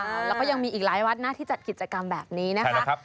แล้วก็ยังมีอีกหลายวัดนะที่จัดกิจกรรมแบบนี้นะคะ